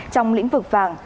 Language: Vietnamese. trong lĩnh vực vàng